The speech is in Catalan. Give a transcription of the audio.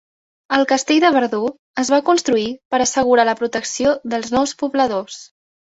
El castell de Verdú es va construir per assegurar la protecció dels nous pobladors.